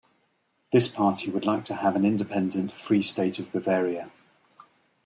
This party would like to have an independent "Free State of Bavaria".